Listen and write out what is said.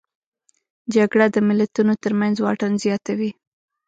جګړه د ملتونو ترمنځ واټن زیاتوي